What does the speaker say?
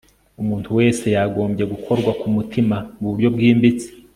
umuntu wese yagombye gukorwa ku mutima mu buryo bwimbitse